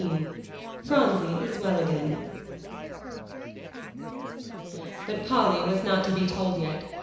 XIX PHRONSIE IS WELL AGAIN But Polly was not to be told yet.